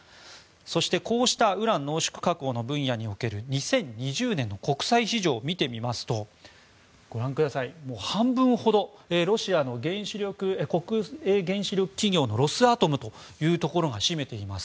そして、こうしたウラン濃縮加工の分野における２０２０年の国際市場を見てみますとご覧ください、半分ほどロシアの国営原子力企業のロスアトムというところが占めています。